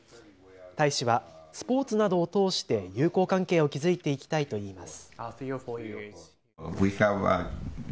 大使はスポーツなどを通して友好関係を築いていきたいといいます。